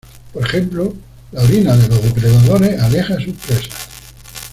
Por ejemplo, la orina de los depredadores aleja sus presas.